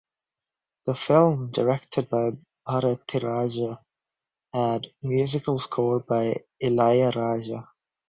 The film directed by Bharathiraja had musical score by Ilayaraja.